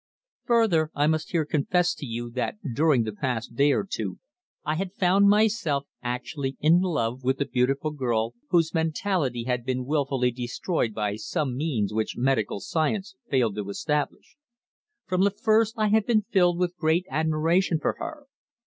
Further, I must here confess to you that during the past day or two I had found myself actually in love with the beautiful girl whose mentality had been wilfully destroyed by some means which medical science failed to establish. From the first I had been filled with great admiration for her.